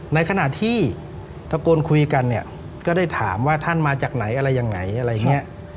ในขณะที่ตะโกนคุยกันเนี่ยก็ได้ถามว่าท่านมาจากไหนอะไรยังไงอะไรอย่างนี้